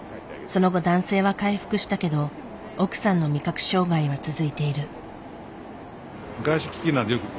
その後男性は回復したけど奥さんの味覚障害は続いている。